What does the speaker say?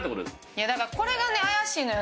いやだからこれがね怪しいのよ。